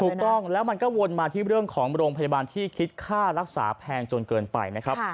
ถูกต้องแล้วมันก็วนมาที่เรื่องของโรงพยาบาลที่คิดค่ารักษาแพงจนเกินไปนะครับ